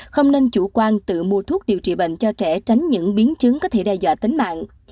không nên chủ quan tự mua thuốc điều trị bệnh cho trẻ tránh những biến chứng có thể đe dọa tính mạng